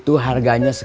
oh apaan sih